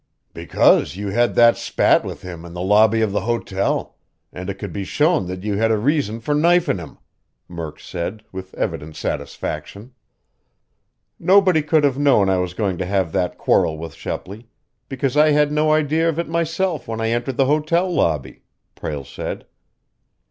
"Because you had that spat with him in the lobby of the hotel, and it could be shown that you had a reason for knifin' him," Murk said, with evident satisfaction. "Nobody could have known I was going to have that quarrel with Shepley, because I had no idea of it myself when I entered the hotel lobby," Prale said.